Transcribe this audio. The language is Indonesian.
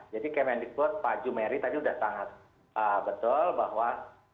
jadi kmndq pak jumeri tadi sudah sangat betul bahwa